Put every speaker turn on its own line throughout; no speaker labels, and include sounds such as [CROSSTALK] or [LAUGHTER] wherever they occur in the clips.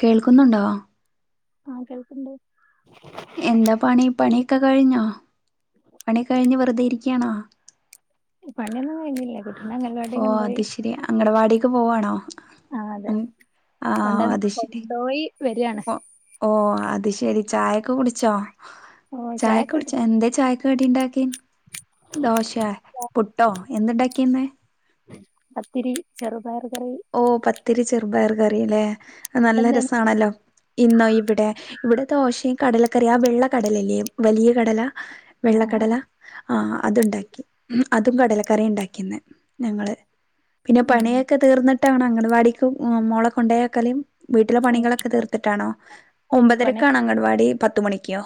കേൾക്കുന്നുണ്ടോ
ആഹ് കേൾക്കണ്ട്
എന്താ പണി പണിയൊക്കെ കഴിഞ്ഞോ പണിയൊക്കെ കഴിഞ്ഞു വെറുതെ ഇരിക്കണാ
പണ്യൊന്നും കഴിഞ്ഞില്ല കുട്ടീനെ അംഗൽവാടി
ഓ
കൊണ്ടോയി
അത് ശരി അംഗണടവാടിക്ക് പോവാണോ
ആഹ് അതെ കൊണ്ട
ആഹ് അത് ശരി
കൊണ്ടോയി വരാണ്
ഓ അത് ശരി ചായൊക്കെ കുടിച്ചോ
ഓഹ്
ചായ
ചായൊക്കെ
കുടിച്ച
കുടിച്ചോ
എന്ത ചായ കടിണ്ടാക്കി ദോശേ പുട്ടോ എന്തെണ്ടാക്കിന്ന്
പത്തിരി ചെറുപയർ കറി
ഓ പത്തിരി ചെറുപയർ കറില്ലേ അത് നല്ല
അവിടെന്തേനു
രസമാണല്ലോ ഇന്നോ ഇവിടെ ഇവിടെ ദോശയും കടലക്കറിയാ ആ വെള്ള കടലല്ലേ വലിയ കടല വെള്ളകടല
ആഹ്
ആ അത്ണ്ടാക്കി പുട്ടും കടലക്കറി ഉണ്ടാക്കിന്ന് ഞങ്ങൾ പിന്നെ
ആഹ്
പണിയൊക്കെ തീർന്നിട്ട് അങ്കണവാടീക്ക് മോളെ കൊണ്ടയാക്കലും വീട്ടിലെ
ആഹ്
പണികളൊക്കെ തീർത്തിട്ടാണോ
കഴിഞ്ഞു
ഒമ്പതരക്ക
പണി
ആണോ അങ്കടവാടി പത്തുമണിക്കോ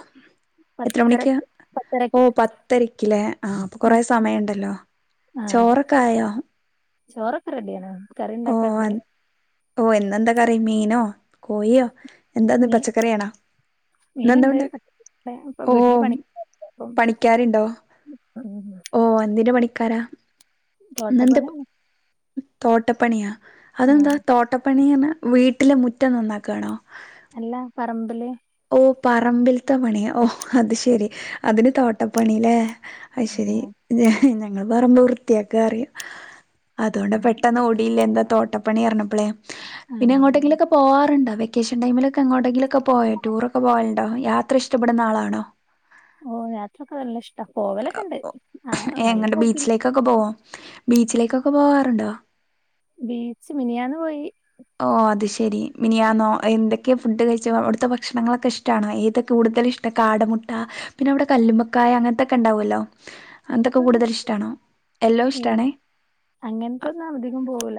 പത്തരക്ക്
ഓ
പത്തരക്ക്
പത്തരക്കല്ലേ ആഹ് അപ്പൊ
ഉം
കൊറെ സമയം ഉണ്ടല്ലോ
ആഹ് അതെ
ചോറൊക്കായോ
ചോറൊക്കെ റെഡിയണ്
ഓ ഓ എന്നെന്താ കറി മീനോ കോഴിയോ എന്താന്ന്
മീ
പച്ചക്കറിയണോ ഇ എന്താ
മീന്ണ്ട്
ഉണ്ടാക്കി
ഇപ്പൊ വീട്ടില് പണി അപ്പം
പണിക്കാരുണ്ടോ
ഉം
ഓ എന്തിന്റെ പണിക്കാരാ
തോട്ടപ്പണി
തോട്ടപ്പണിയ അതെന്താ തോട്ടപ്പണിയോ വീട്ടിലെ മുറ്റം നന്നാക്കണോ
അല്ല പറമ്പില്
ഓ പറമ്പിൽത്തെ പണിയ ഓ അത് ശെരി അതിന് തോട്ടപ്പണില്ലേ അ ശരി
ആഹ്
ഞങ്ങള് പറമ്പ് വൃത്തിയാക്ക പറയും അതുകൊണ്ട് പെട്ടെന്ന് ഓടില്ലേ എന്താ തോട്ടപ്പണി ഇറഞ്ഞപ്പളേ പിന്നെ
ആഹ്
അങ്ങോട്ടെങ്കിലൊക്കെ പോകാറുണ്ടോ വെ വെക്കേഷൻ ടൈമിലൊക്കെ എങ്ങോട്ടെങ്കിലൊക്കെ പോയ ടൂർ ഒക്കെ പോയുണ്ടോ യാത്ര ഇഷ്ടപ്പെടുന്ന ആളാണോ
ഓ യാത്രൊക്കെ നല്ല ഇഷ്ടാ പോവലൊക്കെ ഉണ്ട് ആ നല്ല
എങ്ങട്ട
പോക്കില്
ബീച്ചിലേക്കൊക്കെ പോവാ ബീച്ചിലേക്ക് എക്കൊക്കെ പോകാറുണ്ടോ
ബീച്ച് മിനിയാന്ന് പോയി
ഓ അത് ശരി ഇനിയാ നോ എന്തൊക്കെയെ ഫുഡ് കഴിച്ച അവിടുത്തെ ഭക്ഷണങ്ങളൊക്കെ ഇഷ്ടണോ ഏതാ കൂടു കൂടുതല് ഇഷ്ടം കാടമുട്ട പിന്നെ അവിടെ കല്ലുമക്കായ അങ്ങനത്തൊക്കെ ഉണ്ടാവുമല്ലോ എന്തൊക്കെ
അങ്ങനത്തൊന്നും
കൂടുതൽ ഇഷ്ടാണോ എല്ലോ
ഏ
ഇഷ്ട്ടാണേ
അങ്ങനത്തൊന്നും അധികം പോവൂല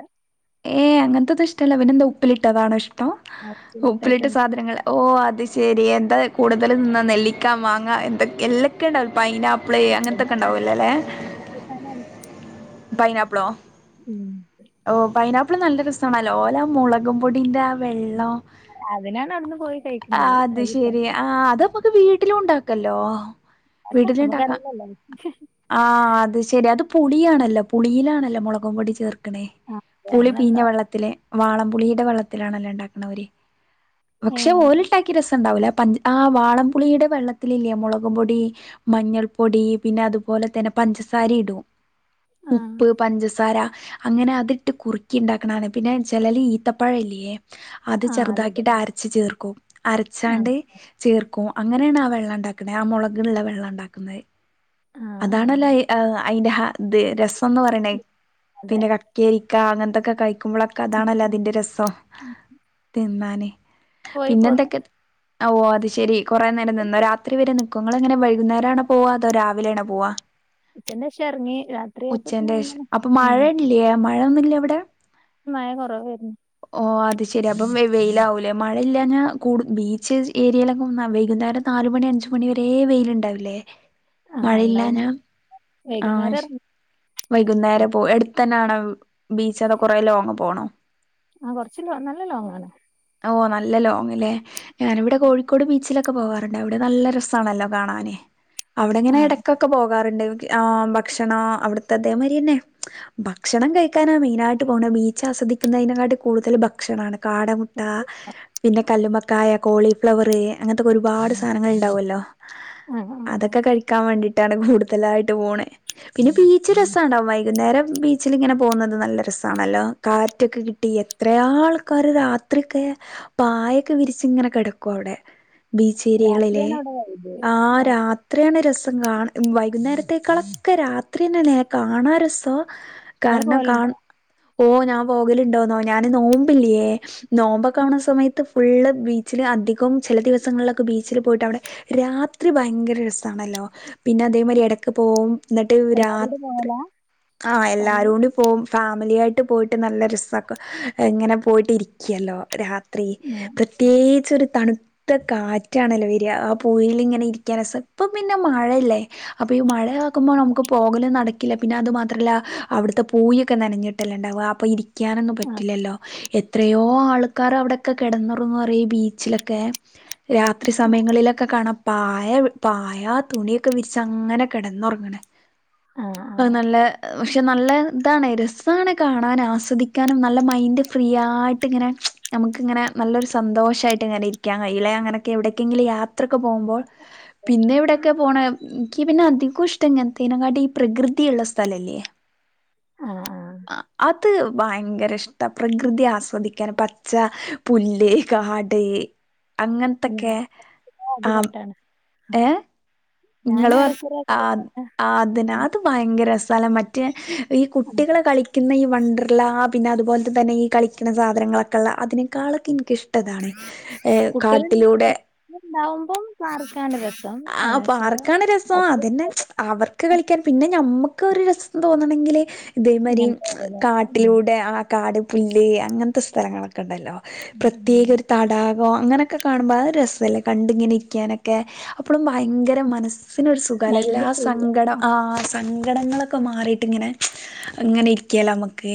ഏ അങ്ങനത്തെത് ഇഷ്ടമല്ലോ അവനെന്താ ഉപ്പിലിട്ടതാണോ ഇഷ്ടം ഉപ്പിലിട്ട്
ആയിട്ടാണ്
സാധനങ്ങ ഓ അത ശരി എന്താ കൂടുതൽ തിന്ന നെല്ലിക്കാ മാങ്ങാ എന്തൊ എല്ലൊക്കെയ ഉണ്ടാവും പൈനാപ്പി പ്പ്ളേ അങ്ങൻത്തൊക്കെ ണ്ടാവല്ലേല്ലേ പൈനാപ്പിളോ
ഉം
പൈനാപ്പിൾ നല്ല രസാണല്ലോ ഓലെ ആ മൊളകും പൊടീൻ്റെ വെള്ളം
അതിനാണ് അവിടുന്ന് പോയി
ആ
കഴിക്കണത്
അത് ശെരി ആ അ അത് ത് വീട്ടിലും ണ്ടാക്കല്ലോ
അതൊക്കെ
വീട്ടിലുണ്ടാക്ക
നമുക്കറിയില്ലല്ലോ
ആ അത് ശെരി അത് പുളിയാണല്ലോ പുളിയിലാണല്ലോ മൊളകും പൊടി ചേർക്ക്ണേ
ആ അതെ
പുളി
അങ്ങനെ
പീഞ്ഞ
എന്തോ
വെള്ളത്തില് വാളംപുളിയുടെ വെള്ളത്തിലാണല്ലോ ണ്ടാക്കണ ഓല്
ഏ
പക്ഷെ ഓല്ണ്ടാക്കി രസം ണ്ടാവൂല ആ വാളംപുളിയുടെ വെള്ളത്തിലില്ലേ മൊളകുംപൊടി മഞ്ഞൾ പൊടി പിന്നെ അതുപോലെ തന്നെ പഞ്ചസാര ഇടും
ആ
ഉപ്പ്, പഞ്ചസാര അങ്ങനെ അത് ട്ട് കുറുക്കി ഉണ്ടാക്കണാണ് പിന്നെ ചെലോല് ഈത്തപ്പഴല്ലേ അത്
ആ അതെതെ
ചെറുതാക്കിയിട്ട് അരച്ചു ചേർക്കും
ആ
അരച്ചാണ്ട് ചേർക്കും അങ്ങനാണ് ആ വെള്ളം ണ്ടാക്കണെ ആ മൊളക്ള്ള വെള്ളം ണ്ടാക്ക്ന്ന
ആ ആ
അതാണല്ലോ അതിന്റെ രസംന്ന് പറയണേ
അതെ
പിന്നെ കക്കേരി ക്ക അങ്ങനത്തൊക്കെ കഴിക്കുമ്പോഴൊക്കെ അതാണല്ലോ അതിന്റെ രസം തിന്നാന്
പോയി
പിന്നെ
പോന്നു
എന്തൊക്കെ ഓ അത് ശെരി കൊറെേ നേരം നിന്നോ രാത്രി വരെ നിക്കോ എങ്ങനെ വൈകുന്നേരാണോ പോവാ അതോ രാവിലെണെ പോവാ
ഉച്ചന്റെ ശേഷം ഇറങ്ങി രാത്രിയായപ്പോത്തിന്
ഉച്ചന്റെഷം
വന്നണ്
അപ്പൊ മഴ
ഉം
ഇല്ലേ മഴൊന്നുല്ല ഇവിടെ
മഴ കൊറവേര്ന്നു
ഓ അത് ശെരി അപ്പം വെയിലാവൂലേ മഴയില്ലാഞ്ഞാ കൂ ബീച്ച് ഏരിയയിലൊക്കെ വൈകുന്നേരം നാ ല് മണി അഞ്ച് മണി വരെ വെയ്ലുണ്ടാവില്ലേ
ആ ഉണ്ടാവും
മഴയില്ലഞ ആ
വൈകുന്നേരം ഇറങ്ങി
വൈകുന്നേര
അതെ
പോ എടുത്തന്നെ ആണ ബീച്ചത കുറെ ലോങ്ങ് പോണോ
ആ കൊറച്ച് ലോ നല്ല ലോങ്ങാണ്
ഓ നല്ല ലോങ് ലെ ഞാനിവിടെ കോഴിക്കോട് ബീച്ച്ലൊ ക്കെ പോവാറ്ണ്ട് അവടെ നല്ല രസാണല്ലോ കാണാന്
ആ
അവിടെങ്ങനെ എടക്കൊക്കെ പോക കാറ്ണ്ട് ആ ഭക്ഷണം അവിടുത്തതേമാതിരെന്നെ ഭക്ഷണം കഴ ക്കാന മെയിനായിട്ട്പോണ ബീച്ച് ആസ്വദിക്കുന്നതിനങ്ങാട്ടി കൂടുതൽ ഭക്ഷണാണ് കാടമുട്ട പിന്നെ കല്ലുമക്കായ, കോളിഫ്ലവർ അങ്ങൻത്തൊക്കെ ഒരുപാട് സാധനങ്ങൾണ്ടാവല്ലോ
ആ ആ
അതൊക്കെ കഴിക്കാൻ വേണ്ടി ട്ടാണ്കൂടുതലായിട്ട് പോണ് പിന്നെ ബീച്ച് രസാണ് വൈകുന്നേരം ബീച്ചിലിങ്ങനെ പോകുന്നത് നല്ല രസാണല്ലോ കാറ്റൊക്കെ കിട്ടി എത്ര ആൾക്കർ രാത്രിക്കെ പായൊക്കെ വിരിച്ച്ങ്ങനെ കെടക്കും അവടെ ബീച്ച് ഏരിയകളിലെ
രാത്രിയാണ് അവിടെ
ആ രാത്രിയാണ് രസ വൈകുന്നേരത്തേക്കാളൊക്കെ രാത്രിന്നെലെ കാണാ രസോ
നിങ്ങള്
കാരണം കാൺ
പോവലുണ്ടോ
ഓ ഞാൻ പോകലുണ്ടോന്നോ ഞാന് നോമ്പില്ലേ നോമ്പൊക്കാവണ സമയത്ത് ഫുള്ള് ബീച്ചിലധികും ചെല ദിവസങ്ങളിലൊക്കെ ബീച്ചില് പോയിട്ട് വടെ രാത്രി ഭയങ്കര രസാണല്ലോ പിന്നെ അതേ മാതിരി എടക്ക് പോകും ന്നിട്ട്
എല്ലാരും
രാത്രി
കൂടെ
ആ
ഫാമിലി
എല്ലാരുടി പോവും ഫാമിലിയാ യിട്ട് പോയിട്ട് നല്ല രസ ഇങ്ങനെ പോയിട്ടിരിക്കല്ലോ രാ ത്രീ
ഉം.
പ്രത്യേകിച്ച് ഒരു തണു ത്ത കാറ്റാണല്ലോ വരിക ആ പൂയിൽിങ്ങനെ ഇരിക്കാന ഇപ്പം പിന്നെ മഴയല്ലേ അപ്പൊ ഈ മഴ ക്കുമ്പോ നമുക്ക് പോകലും നടക്കില്ല പിന്നെ അത് മാത്രല്ല അവിടുത്തെ പൂയിക്കെ നനഞ്ഞിട്ടല്ലേ ണ്ടാവ അപ്പോം ഇരിക്കാനൊന്നും
ആ
പറ്റില്ലല്ലോ എ ത്രയോ ആൾക്കാർ അവിടെക്കെ കെടന്നൊറങ്ങും റിയോ ഈ ബീച്ചിലൊക്കെ രാത്രി
ആ
സമയങ്ങളിലൊക്കെ കാണ പ്പാ പായ തുണിയൊക്കെ വിരിച്ച അങ്ങനെ കെടന്നൊറങ്ണ്
ആ ആ
അത് നല്ല നല്ല താണ് രസാണ് കാണാനും ആസ്വദിക്കാനും നല്ല മൈൻഡ് ഫ്രീ ആയിട്ട്ങ്ങനെ നമുക്ക് ക്ക്ങ്ങനെ നല്ലൊരു സന്തോഷായിട്ട് ങ്ങനെ ഇരിക്കാൻകയ്യുംല്ലേ അങ്ങനൊക്കെ എവിടക്കെങ്കിലും യാത്രൊക്കെ പോകുമ്പോ പിന് പിന്നെവിടൊക്കെ പോണെ ന്ക്ക്പിന്നെ അധികോംഷ്ടം ങ്ങനെത്തേനേം കാട്ടി ഈ പ്രകൃതിള്ള സ്ഥലല്ലേ
ആഹ്, ആഹ്.
അ അത് ഭയങ്കര ഇഷ്ടാ പ്രകൃതി ആസ്വദിക്കാൻ പച്ച പുല്ല് കാട് ത്ത്
ഞാൻ
അങ്ങനത്തൊക്കെ ആ
ആദ്യവട്ടാണ്
ഏ
ഞാൻ
ങ്ങള്പ
ഏറെക്കുറെ
ആ
അതില്
ആ അതെന്നെ
ഉം
അത് ഭയങ്കരെരസാലെ, മറ്റ ഈ
ഉം
കുട്ടികള് കളിക്കുന്ന ഈ വണ്ടർല്ല പിന്നത്പോലെത്തെ തന്നെ ഈ കളിക്ക്ണെ സാധനങ്ങളൊക്കെള്ള അതിനേക്കാളൊക്കെ ഇൻക്കിഷ് ട്ടതാണ് ഏ
കുട്ടികള്
കാട്ടിലൂടെ
ഉണ്ടാവുമ്പം പാർക്കാണ് രസം
ആ
ഏ, പക്ഷെ
പാർക്കാണ് രസം
ഒറ്റ
അതന്നെ അവർക്ക് കളിക്കാൻ പിന്നെ ഞമ്മക്കൊരു രസം തോന്നണെങ്കില് ഇതേമാതിരി
ഇങ്ങനത്തെ ഓരോന്ന് കാണാം ഉം
കാട്ടിലൂടെ ആ കാട്, പുല്ല്, അങ്ങനത്തെ സ്ഥലങ്ങളൊക്കെണ്ടല്ലോ
ഉം
പ്രത്യേക
ഉം
ഒരു തടാ [UNINTELLIGIBLE] അങ്ങനെയൊക്കെ കാണുമ്പൊ അ രസല്ലേ കണ്ടിങ്ങനെ ഇരിക്കാനൊക്കെ അപ്പഴും ഭയങ്കര മനസ്സ് സ്സിനൊരു സുഖാല്ലേ എല്ലാ
മൈൻഡ് ഫ്രീ
സങ്കടം ആ സങ്കടങ്ങളൊ ക്കമാറീട്ട്ങ്ങനെ അങ്ങനെ ഇരിക്കാല്ലോ നമ്മക്ക്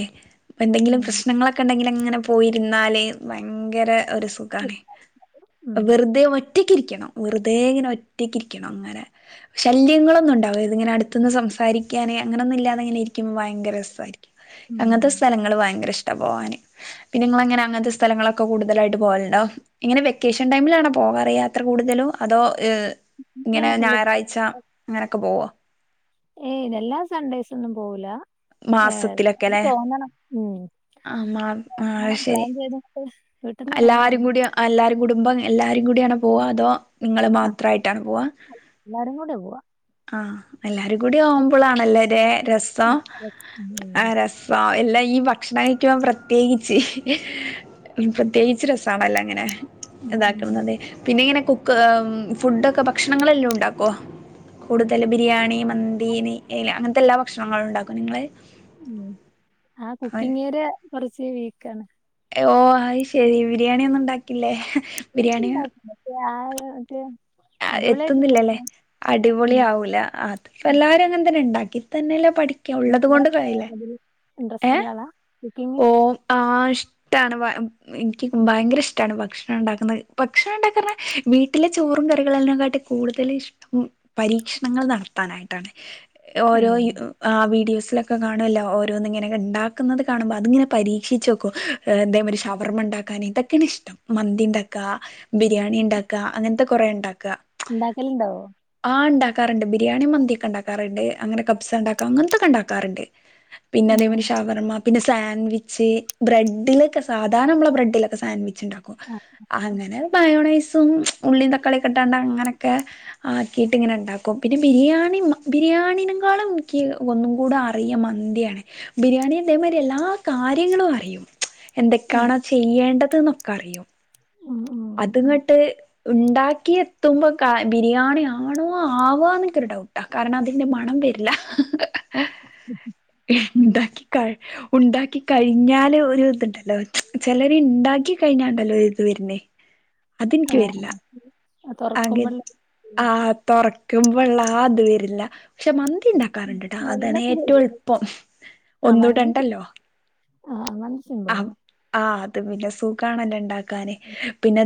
പ്പെന്തെങ്കിലും
ഉം
പ്രശ്നങ്ങളൊക്കെ ണ്ടെങ്കിലെ ഇങ്ങനെ പോയിരുന്നല് ഭയങ്കര ഒരു സുഖാണ്
ഉം
വെറുതെ വ ഒറ്റക്കിരിക്കണം വെറുതേങ്ങനെ ഒറ്റക്കിരിക്കണം അങ്ങനെ ശല്യങ്ങളൊന്നുംണ്ടാവര്ത് ഇങ്ങനെ അട്ത്ത്ന്ന് സംസാരിക്ക ന്ക്കാണെ അങ്ങനൊന്നും ല്ലാതെങ്ങനെരിക്കുമ്പോ ഭയങ്കര രസായിരിക്കും
ഉം
അങ്ങൻത്തെ സ്ഥലങ്ങള് ഭയങ്കരഷ്ട പോവിന് പിന്നെങ്ങളെങ്ങനെ അങ്ങനെത്തസ്ഥലങ്ങളൊക്കെ കൂടുതലായിട്ട് പോവലിണ്ടോ ഇങ്ങനെ വെക്കേഷൻ ടൈമിലാണ് പോകാറിയാ ത്ര കൂടുതലും അതോ ഏ ഇങ്ങനെ
ഇയ്യാണ് ഫുള്ള്
ഞായറാഴ്ച്ച അങ്ങനൊക്കെ പോവോ.
ഏ ഇതെല്ലാ സൺഡേയ്സൊന്നും പോവൂല ഏർ അത് തോന്നണം ഉം.
ആ മ് അ് ശെരി
പ്ലാൻ ചെയ്തിട്ട് വീട്ടിന്ന് എറങ്ങണം
എല്ലാരും കൂടി എല്ലാരും കുടുംബം എല്ലാരും കൂടിയാണോ പോവാ അതോ നിങ്ങള് മാത്രായിട്ടാണോ പോവാ
എല്ലാരും കൂടെ പോവാ
ആഹ് എല്ലാരും കൂടി ആവുമ്പോളാണല്ലൊരെ രസം
ഉം
അ രസം എല്ലാ ഈ ഭക്ഷണം ക്കും പ്രത്യേകിച്ച് പ്രത്യേകിച്ച് രസാണല്ലോ അങ്ങനെ
ഉം ഉം
താക്കണം അതെ പിന്നെങ്ങനെ കുക്ക് എമ് ഫുഡൊക്കെ ഭക്ഷണങ്ങളെല്ലോംണ്ടാക്കോ. കൂടുതല് ബിരിയാണി, മന്തി, നെയ്യ് എല്ല അങ്ങനത്തെ എല്ലാ ഭക്ഷണങ്ങളും ണ്ടാക്കോ നിങ്ങള്.
ഉം ആ കുക്കിങ്ങേരിയ കൊറച്ച് വീക്കാണ്.
എ ഓ അ്ശെരി, ബിരിയാണി, ഒന്നും, ഉണ്ടാക്കില്ലേ, ബിരിയാണി
ഉണ്ടാക്കും പക്ഷെ ആ മറ്റേ
അ
അടിപൊളിയായിട്ട് ഉണ്ടാക്കത്തില്ല
എത്തുന്നില്ലലെ
ഉം
അടിപൊളിആവൂല അതിപ്പോ എല്ലാരും അങ്ങനെതന്നെ ണ്ടാക് ക്കിതെന്നെല്ലെ പഠിക്ക ഉള്ളത് കൊണ്ട് കയിലേ
ഇൻട്രസ്റ്റ്ള്ളാള
ഓ ആ ഇഷ്ട്ടാണ് വ എം മ്മ് ഇൻക്ക് ഭയങ്കെരഷ്ട്ടാണ് ഭക്ഷണം ഉണ്ടാക്കുന്നത് ഭക്ഷണണ്ടാക്കാറ്ഞ്ഞാ വീട്ടിലെ ചോറും കറികളെല്ലാം കാട്ടി കൂടുതെലിഷ്ട്ടം പരീക്ഷണങ്ങള് നടത്താനായിട്ടാണ്. ഓരോ
ഏഹ്.
ഇ ആ വീഡിയോസിലൊക്കെ കാണൊല്ലോ ഓരോനിങ്ങനെക്കെ ണ്ടാക്കുന്നത് കാണുമ്പോ അതിങ്ങനെ പരീക്ഷിച്ചോക്കും എന്തേ ഒരു ഷവർമണ്ടാക്കാന് ഇതൊക്കെണ് ഇഷ്ട്ടം മന്തിണ്ടാക്ക ബിരിയാണിണ്ടാക്ക അങ്ങനത്തെ കൊറെണ്ടാക്ക
ണ്ടാക്കല്ണ്ടോ
ക്കാറുണ്ട് ബിരിയാണിം മന്തിയൊക്കെണ്ടാക്കാറ്ണ്ട് അങ്ങനെ കബ്സണ്ടാക്കും അങ്ങനത്തെക്കെണ്ടാക്കാറുണ്ട് പിന്നെ
ഉം
അതേമാരി ഷവർമ്മ പിന്നെ സാൻവിച്ച് ബ്രെഡിലൊക്കെ സാധാരണമളെ ബ്രെഡിലൊക്കെ സാൻവിച്ച് ച്ച്ണ്ടാക്കും
ആ
അങ്ങനെ മയോണൈസ് [UNINTELLIGIBLE] ഉള്ളീം തക്കാളിഒക്കെട്ടാണ്ടങ്ങനെക്കെ ആക്കിട്ട്ങ്ങനെ ണ്ടാക്കും പിന്നെ ബിരിയാണി മ ബിരിയാ ബിരിയാണിനെക്കാളും നിക്ക് ഒന്നും കൂടെ അറിയ മന്തിയാണ് ബിരിയാണി തേമാരി എല്ലാ കാര്യങ്ങളും അറിയും
ഉം
എന്തക്കാണ് ചെയ്യേണ്ടത് ന്നൊക്കറിയും
ഉം ഉം
അത്ങ്ങട്ട് ണ്ടാക്കി എത്തുമ്പോക്കാ ബിരിയാണിയാണോ ആവാന്ന് ൻകൊര് ഡൌട്ടാ കാരണം അതിന്റെ മണം വരില്ല
ഉം.
ഇണ്ടാക്കികഴി ഉണ്ടാക്കി കഴിഞ്ഞാല് ഒരു ഇതുണ്ടല്ലോ ചിലര് ഇണ്ടാക്കി കഴിഞ്ഞാണ്ടല്ലോ ഒരു ഇത് വര്ന്ന് അതെനിക്ക്
ആ
വരില്ല അ
തുറക്കുമ്പള്ള
ആ തുറക്ക കുമ്പള്ള ആത് വരില്ല പക്ഷെ മ ഉണ്ടാക്കാറുണ്ട്ട്ടാ. അതാണ്
സ്മെല്ലൊക്കെ
ഏറ്റവും എളുപ്പം ഒന്നൂടണ്ടല്ലോ
ആഹ അങ്ങന സിമ്പളാണ്.
അത് പിന്നെ സൂക്കാണല്ല ഇണ്ടാക്കാന് [UNINTELLIGIBLE]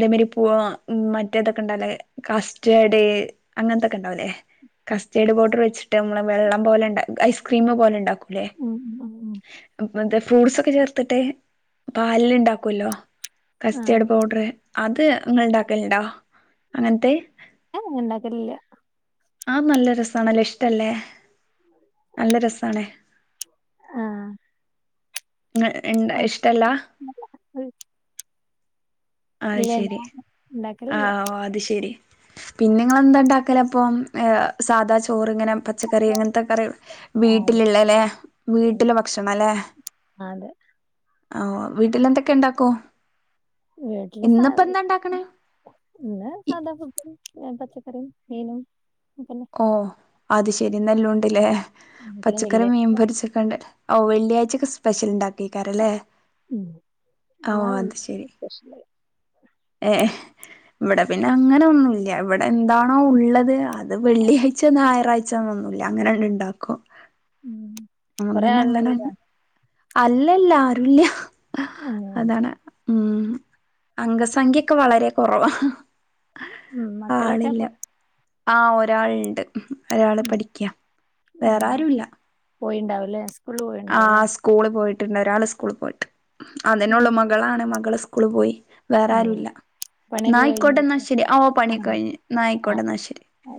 മറ്റേതൊക്കെ ഉണ്ടേ കസ്റ്റഡ് അങ്ങനൊ ണ്ടല്ലേ. കസ്റ്റേഡ് പൗട്ടർ വെച്ചിട്ട് നമ്മള് വെള്ളം പോലെ ഉണ്ട ഐസ്ക്രീം പോലെണ്ടാക്കും. ല്ലേ.
ഉം ഉം ഉം
ഫ്രൂട്ട്സ്ക്കെ ചേർത്തിട്ട് പാലില് ഉണ്ടാക്കല്ലോ.
ആ
കസ്റ്റഡ പൗഡറ് അത് നിങ്ങ ഉണ്ടാക്കലുണ്ടോ. അങ്ങനത്തെ
ഹ ഉണ്ടാക്കലില്ല.
ആ നല്ല രസണല്ലോ ഇഷ്ടല്ലേ നല്ല രസാണേ.
ആ
എന്ത
ആ,
ഇഷ്ടല്ലാ അത്
ഇല്ല ഇല്ല
ശരി ആ
ഉണ്ടാക്കലില്ല
ഓ അത് ശെരി. പിന്നെ ങ്ങെളെന്താ ഉണ്ടാക്കല അപ്പം. സാദാ ചോറി ഇങ്ങനെ പച്ചക്കറി ഇങ്ങനത്തെ കറി
ആ
വീട്ടിലുള്ളല്ലേ, വീട്ടിലെ ഭക്ഷണം അല്ലെ.
അ അതെ
വീട്ടിൽ എന്തൊക്കെ ഇണ്ടാക്കോം.
വിട്ടില് സാ
ഇ-
സാധാ ഫുഡ്. പച്ചക്കറി മീനും. പിന്നെ
ഓ അത് ശരിന്നല്ലണ്ടില്ലേ
പിന്നെ
പച്ചക്കറി
വെള്ളി
മീൻ പൊരിച്ചക്കണ്ട്. ഓ വെള്ളിയായിച്ചക്കെ സ്പെഷൽണ്ടാ ട്ടീ കാരല്ലേ
ഉം
ഓ
എല്ലാ
അത് ശരി.
വെള്ളിയാഴ്ചയും സ്പെഷ്യല്
ഏ ഇവിടെ പിന്നെ അങ്ങനെ ഒന്നുമല്ല ഇവിടെ എന്താണോ ഉള്ളത് അത് വെള്ളിയാഴ്ച ഞായറാഴ്ചന്നൊന്നൂല്ല അങ്ങനെ ഉണ്ടാക്കും.
[INAUDIBLE]
നമുക്ക്
കൊറേ
പിന്നെ
ആളുള്ള
അങ്ങനെ
വീടാ
അല്ലല്ല ആരുല്ല
ഏഹ്
അതാണ് ഉം അംഗസംഖ്യക്കെ വളരെ കുറവാ.
ഉം മക്കളൊക്കെ
ആ ഒരാൾണ്ട് ഒരാള്
ഉം.
പഠിക്ക വേറെ
ആഹ്
ആരുല്ല.
പോയിണ്ടാവുംല്ലേ. സ്കൂളിൽ
ആ
പോയിണ്ടാവുംല്ലേ
സ്കൂള് പോയിട്ടുണ്ട് ഒരാള് സ്കൂള പോയിട്ട് അതന്നെ
ഉം
ഉള്ള മകളാണ് മകള് സകൂള് പോയി വേറെ
ഉം
ആരുല്ല.
പണിയൊക്കെ
ന്നായിക്കോട്ടെ എന്നാ
കഴിഞ്ഞിരിക്ക
ശരി. ഓ
ആഹ്
പണിക്കഴിഞ്ഞു നായിക്കോട്ടെ എന്നാ ശരി.
ആഹ്